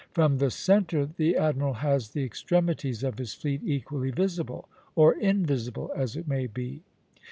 From the centre the admiral has the extremities of his fleet equally visible, or invisible, as it may be.